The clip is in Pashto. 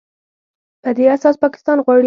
په دې اساس پاکستان غواړي